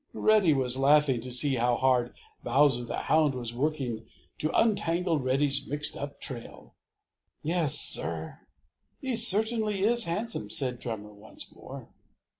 Reddy was laughing to see how hard Bowser the Hound was working to untangle Reddy's mixed up trail. "Yes, Sir, he certainly is handsome," said Drummer once more.